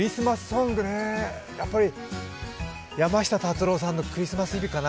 やっぱり山下達郎さんの「クリスマス・イブ」かな。